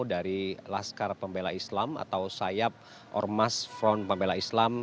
dari laskar pembela islam atau sayap ormas front pembela islam